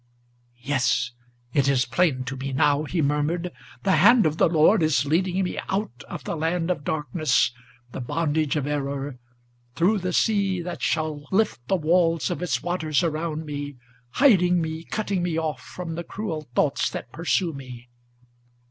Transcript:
"Yes, it is plain to me now," he murmured; "the hand of the Lord is Leading me out of the land of darkness, the bondage of error, Through the sea, that shall lift the walls of its waters around me, Hiding me, cutting me off, from the cruel thoughts that pursue me.